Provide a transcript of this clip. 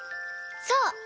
そう！